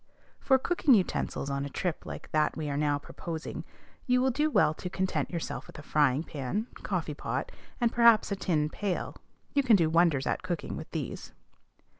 For cooking utensils on a trip like that we are now proposing, you will do well to content yourself with a frying pan, coffee pot, and perhaps a tin pail; you can do wonders at cooking with these.